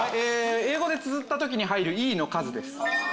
英語でつづったときに入るｅの数です